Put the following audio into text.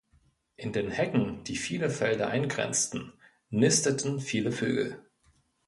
In den Hecken, die viele Felder eingrenzten, nisteten viele Vögel.